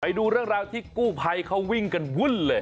ดูเรื่องราวที่กู้ภัยเขาวิ่งกันวุ่นเลย